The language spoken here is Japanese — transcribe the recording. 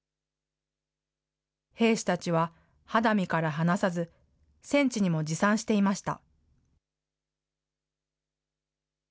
兵士たちは肌身から離さず、戦地にも持参していました。